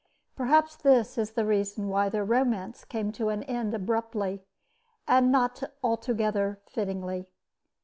Perhaps this is the reason why their romance came to an end abruptly, and not altogether fittingly.